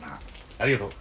ありがとう。